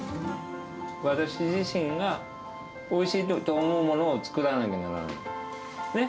私自身がおいしいと思うものを作らなきゃならない。ね？